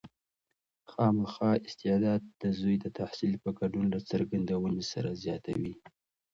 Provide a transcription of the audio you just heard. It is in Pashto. خامخا استعداد د زوی د تحصیل په ګډون له څرګندونې سره زیاتوي.